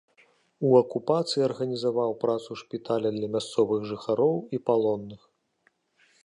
У акупацыі арганізаваў працу шпіталя для мясцовых жыхароў і палонных.